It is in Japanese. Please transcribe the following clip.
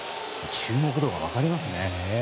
注目度が分かりますね。